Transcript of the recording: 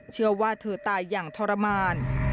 เชื่อว่าเธอตายอย่างทรมาน